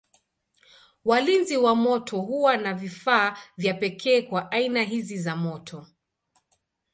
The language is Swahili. Walinzi wa moto huwa na vifaa vya pekee kwa aina hizi za moto.